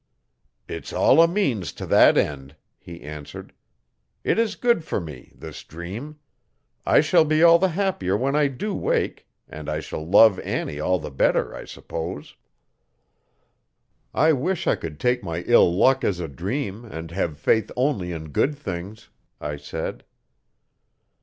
'It's all a means to that end,' he answered. 'It is good for me, this dream. I shall be all the happier when I do wake, and I shall love Annie all the better, I suppose. 'I wish I could take my bad luck as a dream and have faith only in good things,' I said.